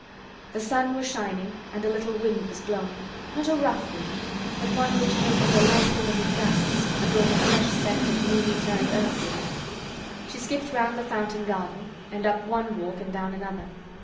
The sun was shining and a little wind was blowing—not a rough wind, but one which came in delightful little gusts and brought a fresh scent of newly turned earth with it. She skipped round the fountain garden, and up one walk and down another.